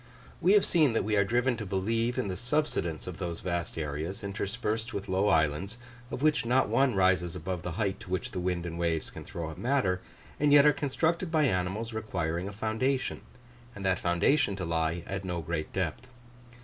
We have seen that we are driven to believe in the subsidence of those vast areas, interspersed with low islands, of which not one rises above the height to which the wind and waves can throw up matter, and yet are constructed by animals requiring a foundation, and that foundation to lie at no great depth.